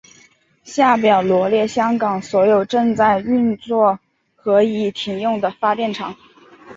下表罗列香港所有正在运作和已停用的发电厂。